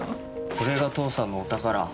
これが父さんのお宝。